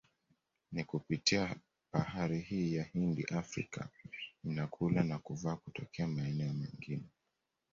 Ni kupitia bahari hii ya Hindi Afrika inakula na kuvaa kutokea maeneo mengine